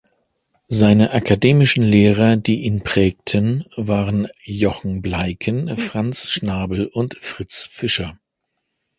Seine akademischen Lehrer, die ihn prägten, waren Jochen Bleicken, Franz Schnabel und Fritz Fischer.